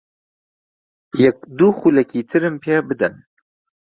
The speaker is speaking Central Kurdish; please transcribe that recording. یەک دوو خولەکی ترم پێ بدەن.